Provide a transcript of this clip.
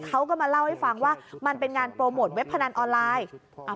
เขาก็มาเล่าให้ฟังว่ามันเป็นงานโปรโมทเว็บพนันออนไลน์